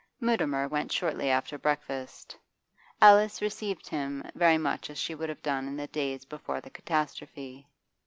Mutimer went shortly after breakfast, and Alice received him very much as she would have done in the days before the catastrophe.